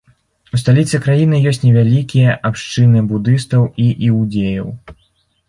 У сталіцы краіны ёсць невялікія абшчыны будыстаў і іўдзеяў.